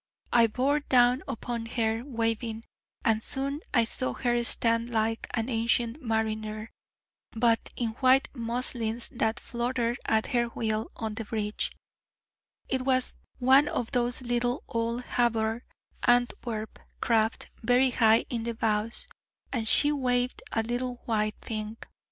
I bore down upon her, waving: and soon I saw her stand like an ancient mariner, but in white muslins that fluttered, at her wheel on the bridge it was one of those little old Havre Antwerp craft very high in the bows and she waved a little white thing.